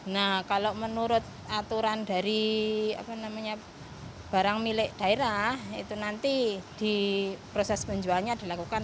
nah kalau menurut aturan dari barang milik daerah itu nanti di proses penjualnya dilakukan